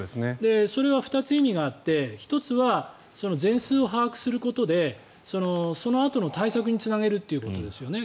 それは２つ意味があって１つは全数を把握することでそのあとの対策につなげるっていうことですよね。